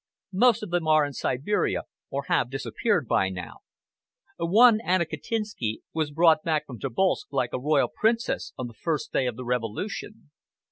Most of them are in Siberia or have disappeared by now. One Anna Katinski was brought back from Tobolsk like a royal princess on the first day of the revolution."